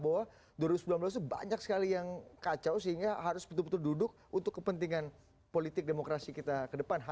bahwa dua ribu sembilan belas itu banyak sekali yang kacau sehingga harus betul betul duduk untuk kepentingan politik demokrasi kita ke depan